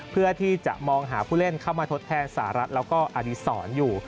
เพื่อที่จะมองหาผู้เล่นเข้ามาทดแทนสหรัฐแล้วก็อดีศรอยู่